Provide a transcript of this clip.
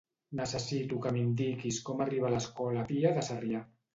Necessito que m'indiquis com arribar a l'escola Pia de Sarrià.